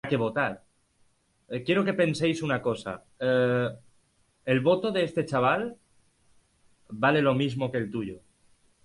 Estaba dividido entre un espacio privado, uno público y otro sagrado.